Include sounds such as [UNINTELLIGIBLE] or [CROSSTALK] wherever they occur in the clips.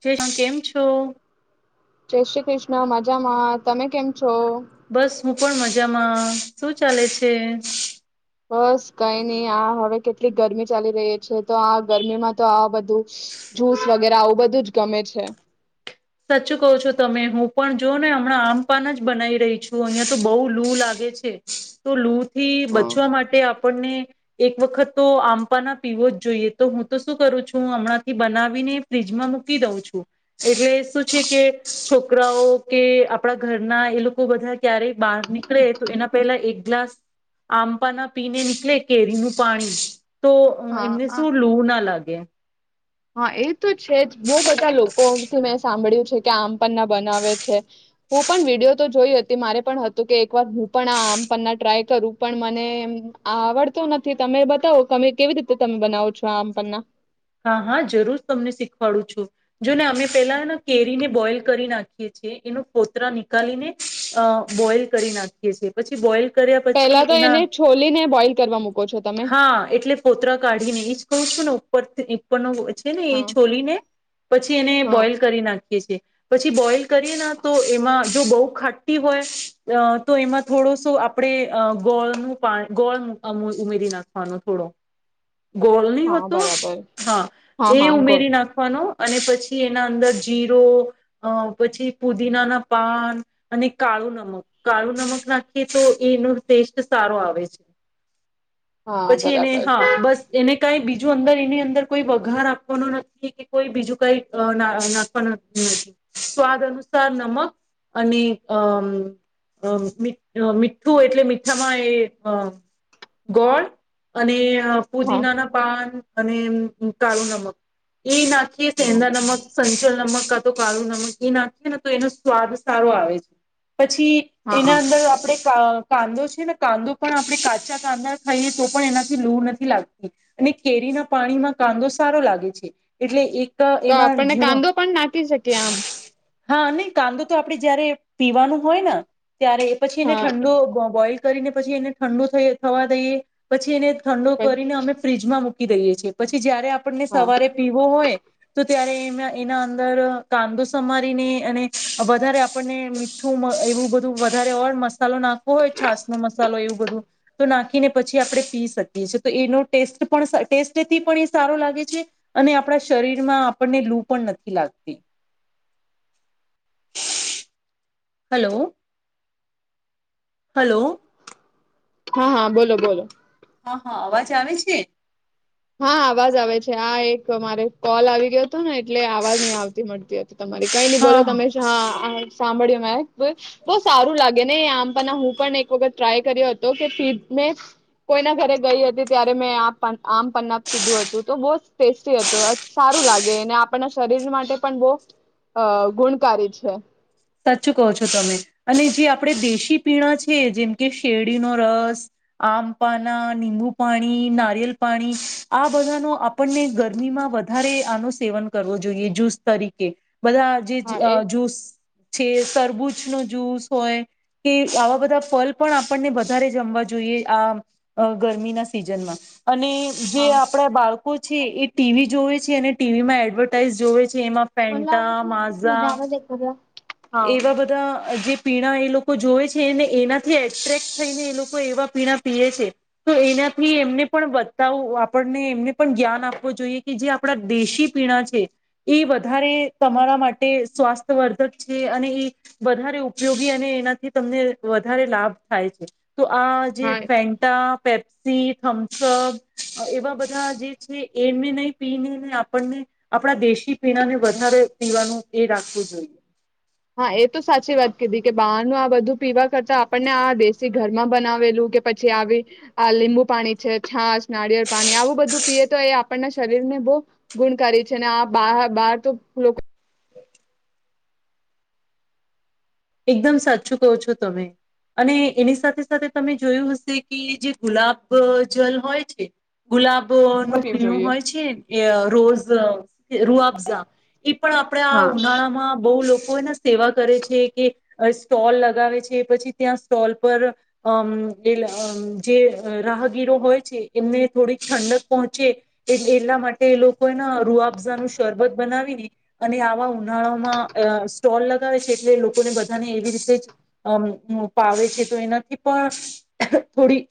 તું કેમ છો? જય શ્રી કૃષ્ણ મજામાં તમે કેમ છો? છો? બસ હું પણ મજામાં શું ચાલે છે બસ કઈ નહી આ હવે કેટલી ગરમી ચાલી રહી છે તો આ ગરમીમાં તો આ બધું જુસ વગેરે આવું બધું જ ગમે છે [UNINTELLIGIBLE] સાચું કહો છો તમે હું પણ જો ને હમણાં આમપન જ બનાવી રહી છું અહિયાં તો બહુ લુ લાગે છે, તો લૂ થી હમ. બચવા માટે આપણને એક વખત તો આંપાના પીવો જ જોઈએ તો હું તો શું કરું છું હમણાં થી બનાવીને ફ્રીજમાં મૂકી દઉં છું એટલે શું છે કે છોકરાઓ કે આપણા ઘરના એ લોકો બધા ક્યારેય બહાર નીકળે તો એના પહેલા એક ગ્લાસ આંપાના પીને નીકળે કેરીનું પાણી તો હા એમને હા શું લુ ના લાગે. હા એ તો છે જ બહુ બધા લોકોથી મેં સાંભળ્યું છે કે આમ પન્ના બનાવે છે, હું પણ વીડીયો તો જોઈ હતી મારે પણ હતું કે એક વાર હું પણ આ આમ પન્ના ટ્રાય કરું પણ મને આવડતો નથી તમે બતાવો તમે કેવી રીતે તમે બનાવો છો આ આમપન્ના? હા હા જરૂર તમને શીખવાડું છું. જો ને અમે પેલા કેરીને બોઈલ નાખી એ ફતરા નીિકળીને બોઈલ કરી નાખીએ છી પછી બોલ કર્યા પહેલા પછી તો એના, એને છોલીને બોઈલ કરવા મૂકો છો તમે હા એટલે ફતરા કાઢીને એજ કહ છું ને. ન [UNINTELLIGIBLE] છે ને એ હા છોલી ને, પછી એને હા બોઈલ કરી નાખીએ છીએ. પછી બોઈલ કરીએ ના તો એમાં જો બહુ ખાટી હોય, તો એમાં થોડોસો આપણે ગોળનું પા ગોળ ઉમેરી નાખવાનો થોડો. ગોલ ન હો હા તો બરાબર હા હા એ હા ગોળ ઉમેરી નાખવાનો. અને પછી એના અંદર જીરો, પછી પુદીનાના પાન અને કાળુ નમક કાળુ નમક નાખીએ તો એનો ટેસ્ટ સારો આવે છે. હા પછી એને બરાબર હા બસ એને કઈ બી બીજ અંદર એની અંદર કોઈ વઘાર નાખવાનો નથી કે કોઈ બીજું કઈ નાખવાનું નથી. સ્વાદ અનુસાર નમક અને અ મ મીઠું એટલે મીઠામાં એ ગોળ અને અ હા પુદીના ના પાન અને કાળુ નમક. [UNINTELLIGIBLE] નાખી સંદા નમક સંચોલ નમક. તો કાળું નમક એ નાખી ને તો એનો સ્વાદ સારો આવે છે. પછી હા હા એના અંદર આપણે ક કાંદો છે ને કાંદો પણ આપણે કાચા કાંદા ખાઈએ તો પણ એનાથી લૂર નથી લાગતી અને કેરી ના પાણીમાં કાંદો સારો લાગે છે એટલે એક. તો એમાં આપણને ઝીણો કાંદો પણ નાખી શકીએ આમ હા નહી કાંદો તો આપડણે જયારે પીવાનો હોય ને. ત્યારે પછી એને હા ઠંડો બોઈલ. કરીને પછી એને ઠંડો થ થવા દઈએ, પછી એને ઠંડ કરીને અમે ફ્રીજમાં મુકી. ઈએ છીએ પછી જયારે આપ આપણને હા સવારે પીવો હોય. તો ત્યારે એમાં એના અંદર કાંદો સમારીને અને વધારે આપણને મીઠું એવું બધું વધારે ઓર મસાલો નાખવો હોય છાસ નો મસાલો એવું બધું તો નાખીને પછી આપડણે પી શકીએ છે તો એનો ટેસ્ટ પણ ટેસ્ટથી પણ એ સારો લાગે છે અને આપણા શરીરમાં આપણને લુ પણ નથી લાગતી. Hello, hello. હા! હા! બોલો બોલો. હા હા અવાજ આવે છે. હા! અવાજ આવે છે આ એક મારે કોલ આવી ગયો હતો ને એટલે અવાજ નહી આવતી મળતી હતી. તમારે કઈ નઈ બોલો હા તમેશા હા. સાંભળ્યું મે બ સારું લાગે ને આમપ હું પણ એક વખત ટ્રાય કર્યો હતો કે ફ મેં કોઈના ઘરે ગઈ હતી ત્યારે મે. ના પીધું હતું તો બસ ટેસ્ટી હતો સારું લાગે આપણના શરીર માટે પણ બહ ગુણકારી છે. સાચું કહો છો તમે, અને જે આપણે દેશી પીણા છે જેમકે શેરડીનો રસ આમપાના નિબુ પાણી નારિયેલ પાણી, આ બધાનો આપણને ગરમીમાં વધારે આનો સેવન કરવો જોઈએ જ્યુસ તરીકે. બધા જે હા એ જૂસ. છે તરબૂજ નો જુસ હોય કે આવા બધા ફલ પણ આપણને વધારે જમવા જોઈએ આ ગરમીના સિઝનમાં. અને જે હા આપણા બાળકો. છે એ ટીવી જોવે છે, અને ટીવી માં એડવર્ટાઈઝ જોવે છે. કેેમાં મને પેન્ટ લાગે છે માઝા. નજારો દેખ હા એવા બધા જે પીણા એ લોકો જોવે છે ને એનાથી એટ્રેક્ટ થઈને એ લોકો એવા પીણા પીએ છે, તો એનાથી એમને પણ બતાવું આપણને એમને પણ જ્ઞાન આપવું જોઈએ કે જે આપણા દેશી પીણા છે, એ વધારે તમારા માટે સ્વાસ્થ્યવર્ધક અને એ વધારે ઉપયોગી અને એનાથી તમને વધારે લાભ થાય છે. તો આ જે હા ફેન્ટા પેપ. ી થમ્સઅપ એવા બધા જે છે એને નહી પીને ને આપણને આપણા દેશી પીણાને વધારે પીવાનું એ રાખવું જોઈએ. [UNINTELLIGIBLE] હા એ તો સાચી વાત કીધી કે બહારનું આ બધું પીવા કરતા આપણને આ દેશી ઘરમાં બનાવેલું કે પછી આવી, આ લીંબુ પાણી છે છાસ નારિયેળ પાણી આવું બધું પીએ તો એ આપણના શરીરને બહુ, ગુણકારી છે ને આ બ બહાર તો લોકો એકદમ સાચું કહો છો તમે અને એની સાથે સાથે તમે જોયું હશે કે જે ગુલાબ જલ હોય છે ગુલાબ. નું પીવું પીણું જોઈએ. હોય છે રોજ હ [UNINTELLIGIBLE] રૂઆબઝા, પણ આપણેે આ હા. ઉનાળા માં બહુ લોકો કોઈને સેવા કરે છે કે સ્ટોલ લગાવે છે પછી ત્યાં સ્ટોલ પર અમ એ જે રાહગીરો હોય છે એમને થોડીક ઠંડક પહોંચે એટલા માટે એ લોકો ના રૂઆફઝા નું શરબત બનાવીને અને આવા ઉનાળામાં સ્ટોલ લગાવે છે એટલે લોકોને બધાને એવી રીતે જ અ પાવે છે તો એનાથી પણ થોડી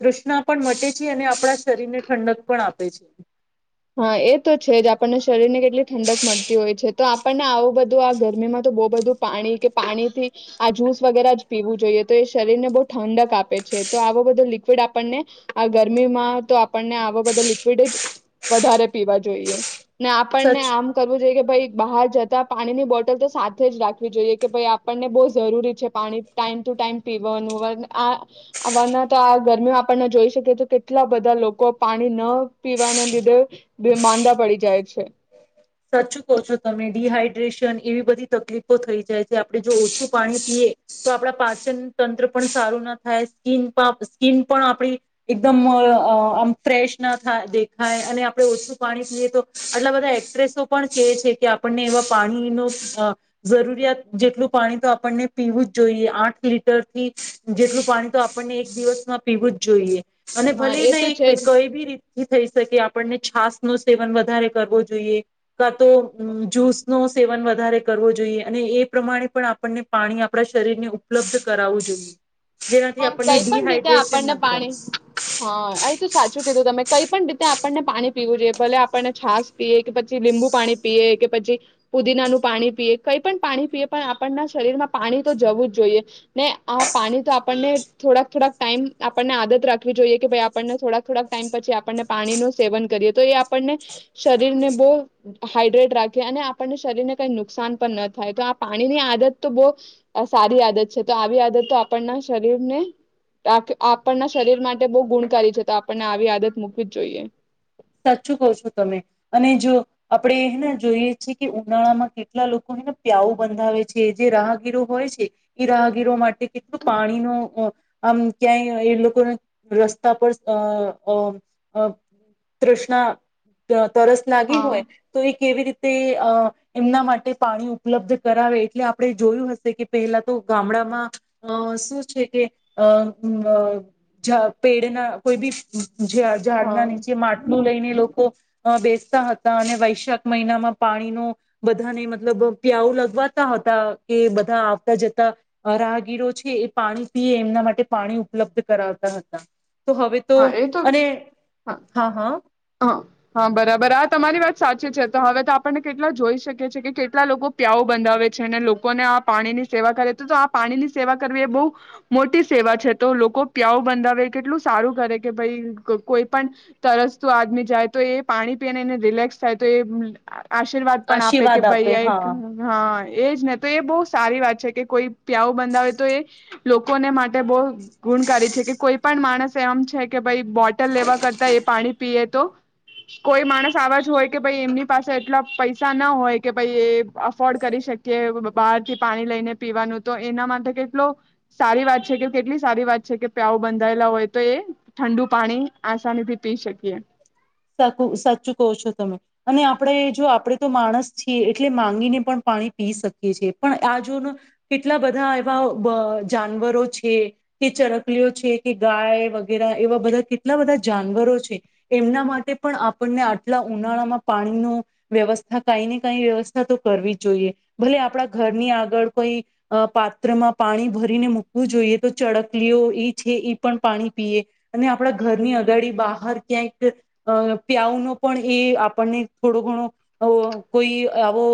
તૃષ્ણા પણ મટે છે અને આપણા શરીરને ઠંડક પણ આપે છે હા એ તો છે જ આપણને શરીર ને કેટલી ઠંડક મળતી હોય છે તો આપણને આવું બધું આ ગરમીમાં તો બહુ બધું પાણી કે પાણીથી આ જ્યુસ વગેરે જ પીવું જોઈએ તો એ શરીરને બહુ ઠંડક આપે છે તો આવો બધો લિક્વિડ આપણને આ ગરમીમાં તો આપણને આવા બધા લિક્વિડ જ વધારે પીવા જોઈએ ને આપણને સચ આમ કરવું જોઈએ કે ભાઈ બહાર જતા પાણીની બોટલ તો સાથે જ રાખવી જોઈએ કે ભાઈ આપણને બહ જરૂરી છે પાણી ટાઈમ ટુ ટાઈમ પીવાનું આ અના તો આ ગરમીઓ આપણને જોઈ શકીએ તો કેટલા બધા લોકો પાણી ન. પીવાનું દી માંદા પડી જાય છે. સાચું કહો છો તમે ડિહાઈડ્રેશન એવી બધી તકલીફો થઈ જાય છે આપડે જો ઓછું પાણી પીએ તો આપડા પાચન તંત્ર પણ સારું ના થાય સ્કીન સ્કીિન પણ આપણી એકદમ આમ ફ્રેશ ના થાય દેખાય અને આપડણે ઓછું પાણી પીએ તો આટલા બધા એ્રે પણ કે છે કે આપણને એવા પાણી ન જરૂરિયાત જેટલું પાણી તો આપણને પીવું જ જોઈએ આઠ લીટરથી જેટલું પાણી તો આપણને એક દિવસમાં પીવું જ જોઈએ. અને હા ભલે એ ન તો છે જ કોઈ બી રીતે થઈ શકે આપણને છાસ નું સેવન વધારે કરવો જોઈએ. તો જુસ નો સેવન વધારે કરવું જોઈએ અને એ પ્રમાણે પણ આપણને પાણી આપણા શરીરને ઉપલબ્ધ કરાવવું જોઈએ. જેનાથી હા આપણને કઈ પણ રીતે ડિહાઈડ્રેશન આપણને ના પાણી થાય હા અ તો સાચું કીધું તમે કઈ પણ રીતે આપણને પાણી પીવું જોઈએ ભલે આપણને છાસ પીએ. કે પછી લીંબુ પાણી પીએ કે પછી પુદીનાનું પાણી પીએ કઈ પણ પાણી પીએ પણ આપણના શરીરમાં પાણી તો જવું જ જોઈએ ને આ પાણી તો આ ટાઈ આપણને આદત રાખવી જોઈએ કે ભાઈ આપણને થોડાક થોડાક ટાઈમ પછી આપણને પાણી ન સેવન કરીએ તો એ આપણને, શરીર ને બહુ હાઈડ્રેટ રાખીએ અને આપણને શરીરને કઈ નુકસાન પણ ન થાય તો આ પાણીની આદત તો બહ, સારી આદત છે તો આવી આદત તો આપણના શરીર ને આપણના શરીર માટે બહ ગુણકારી છે તો આપણને આવી આદત મૂકવી જ જોઈએ. સાચું કહ છો તમે અને જો આપણેેેને જોઈએ છે કે ઉનાળામાં કેટલા લોકોને પ્યાવ બંધાવે છે જે રાહગીરો હોય છે એ રાહગીરો માટે કેટલું પાણીનો આમ ક્યાંય એ લોકોને રસ્તા પર તૃષ્ણા [UNINTELLIGIBLE] તરસ લાગી હા હોય તો એ કેવી રીતે તે અ એમના માટે પાણી ઉપલબ્ધ કરાવે એટલે આપણે જોયું હશે કે પહેલા તો ગામડામાં અ શું છે કે અ પેડના કોઈ બી જ હા ઝાડનાની [UNINTELLIGIBLE] જે માટલું લઈને લોકો અ બેસતા હતા અને વૈશાખ મહિનામાં પાણીનો, બધાને મતલબ પ્યાઉ લગવાતા હતા કે બધા આવતા જતા, રાહગીરો છે એ પાણી પીએ એમના માટે પાણી ઉપલબ્ધ કરાવતા હતા. તો હવે તો હા એ અને હા હા હા હા બરાબર આ તમારી વાત સાચી છે. તો હવે તો આપણને કેટલા જોઈ શકી છેી કે કેટલા લોકો પ્યાઉ બંધાવે છે અનેને લોકોને આ પાણીની સેવા કરે તો તો આ પાણીની સેવા કરવી એ બહુ મોટી સેવા છે, તો લોકો પ્યાઉ બંધાવે કેટલું સારું કરે કે ભાઈ કોઈ પણ તરસ આદમી જાય તો એ પાણી પીને એને રિલેક્સ થાય તો એ આશીર્વાદ પણ આપે આશીર્વાદ કે ભાઈ હા એક હા એજ ને તો એ બહ સારી વાત છે કે કોઈ પ્યાઉ બંધાવે તો એ લોકોને માટે બઉ ગુણકારી છે કે કોઈ પણ માણસ એમ છે કે ભઈ બોટલ લેવા કરતા એ પાણી પીએ તો કોઈ માણસ આવા જ હોય કે ભઈ એમની પાસે એટલા પૈસા ના હોય કે ભઈ અફોર્ડ કરી શકે કે બાર થી પાણી લઈને પીવાનું તો એના માટે કેટલો સારી વાત છે કે પ્યાઉં બંધાયેલા હોય તો એ ઠંડું પાણી આસાની થી પી શકે. એ શકું સાચું કહો છો તમે અને આપણે જો આપણેે તો માણસ છીએ એટલે માંગીને પણ પાણી પી શકે છીએ પણ આ જો નું કેટલા બધા એવા વા જાનવરો છે કે ચરકલીઓ છે કે ગાય વગેરે એવા બધા કેટલા બધા જાનવરો છે એમના મા કે પણ આપણને આટલા ઉનાળામાં પાણીનું વ્યવસ્થા કઈ ને કઈ વ્યવસ્થા તો કરવી જ જોઈએ ભલે આપણા ઘરની આગળ કોઈ પાત્રમાં પાણી ભરીને મૂકવું જોઈએ તો ચડકલીઓ એ છે એ પણ પાણી પીએ અને આપણા ઘરની અગાડી બહાર કંઈક અ પ્યાઉનો પણ એ આપણને થોડો ઘણો અવ કોઈ આવો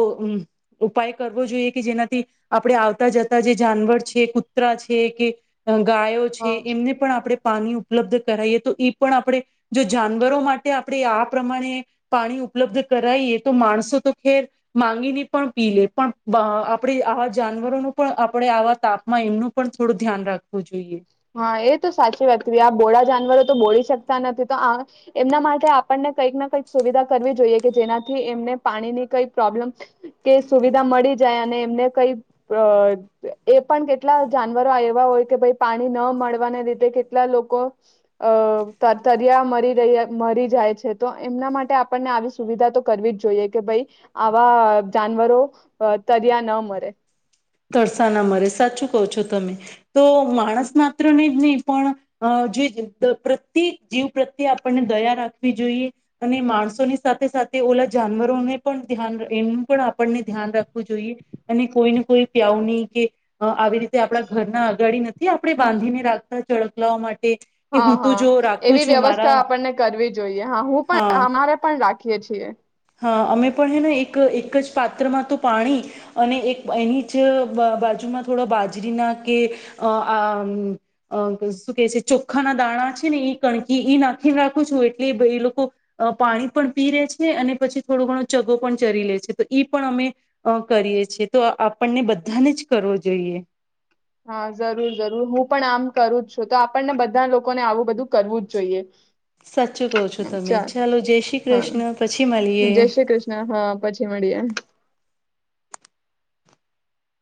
ઉપાય કરવો જોઈએ કે જેનાથી આપણે આવતા જતા જે જાનવર છે કૂતરા છે કે અ ગાયો હ છે એમને પણ આપડે પાણી ઉપલબ્ધ કરાઈએ તો ઈ પણ આપણે જો જાનવરોમા કે આપણે આ પ્રમાણે પાણી ઉપલબ્ધ કરાઈએ તો માણસો તો ખેર માંગીની પણ પીલે પણ આપણે આવા જાનવરોનું પણ આપણે આવા તાપમાં એમનું પણ થોડું ધ્યાન રાખવું જોઈએ. હા એ તો સાચી વાત કીધી આ બોળા જાનવરો તો બોળી શકતા નથી તો આ એમના માટે આપણને કંઈક ના કંઈક સુવિધા કરવી જોઈએ કે જેનાથી એમને પાણી ની કઈ પ્રોબ્લમ કે સુવિધા મળી જાય અને એમને કઈ અ એ પણ કેટલા જાનવરો એવા હોય કે ભઈ પાણી ન મળવાને લીધે કેટલા લોકો અ તરતર્યા મરી રહ્યા મરી જાય છે તો એમના માટે આપણને આવી સુવિધા તો કરવી જ જોઈએ કે ભઈ આવા જાનવરો અ તરીયા ન મરે. તરસા ના મરે સાચું કો છો તમે. તો માણસ માત્ર નેજ નઈ પણ અ જે પ્રત્યેક જીવ પ્રત્યે આપણને દયા રાખવી જોઈએ અને માણસોની સાથે સાથે ઓલા જાનવરો ને પણ ધ્યાન એનું પણ આપણને ધ્યાન રાખવું જોઈએ અને કોઈને કોઈ કે આવું ની કે અ આવી રીતે આપડા ઘરના અગાડી નથી આપણે બાંધીને રાખતા ચડકલાઓ માટે કે હ હું હ તો જો રાખું એવી છું વ્યવસ્થા મારા આપણને કરવી જોઈએ હા હું પણ અમારે પણ રાખીએ છીએ હ અમે પણ હેને એક એકજ પાત્રમાં તો પાણી અને એક એનીજ બ બાજુમાં થોડા બાજરીના કે અ આ શું કેહછે ચોખ્ખાના દાણા છે ને એ કણકી એ નાખીને રાખું છું એટલે ભઈ લોકો પાણી પણ પીલે છે અને પછી થોડો ઘણો ચગો પણ ચરી લે છે, તો ઈ પણ અમે અ કરીએ છીએ તો આપણને બધાને જ કરવો જોઈએ હા જરૂર જરૂર હું પણ આમ કરું છું તો આપણને બધા લોકોને આવું બધું કરવુંજ જોઈએ. સાચું કહો છો તમે ચાલ ચલો જય શ્રી હા કૃષ્ણ પછી મલીએ. જય શ્રી કૃષ્ણ હા પછી મળીએ.